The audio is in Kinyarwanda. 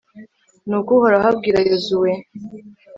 nuko uhoraho abwira yozuwe